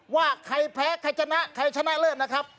ว่าใครแพ้ใครชนะใครชนะเลิศนะครับ